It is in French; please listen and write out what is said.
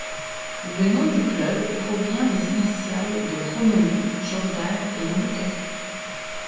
Le nom du club provient des initiales de Romelu, Jordan et Lukaku.